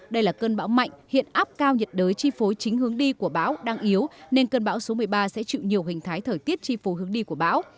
đây là cơn bão mạnh hiện áp cao nhiệt đới chi phối chính hướng đi của bão đang yếu nên cơn bão số một mươi ba sẽ chịu nhiều hình thái thời tiết chi phối hướng đi của bão